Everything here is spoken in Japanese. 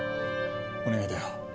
お願いだよ